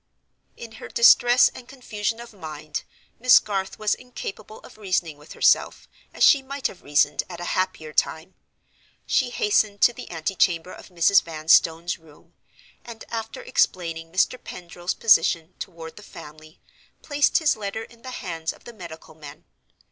In her distress and confusion of mind Miss Garth was incapable of reasoning with herself, as she might have reasoned at a happier time. She hastened to the antechamber of Mrs. Vanstone's room; and, after explaining Mr. Pendril's position toward the family, placed his letter in the hands of the medical men.